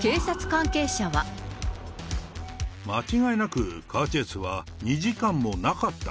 間違いなくカーチェイスは２時間もなかった。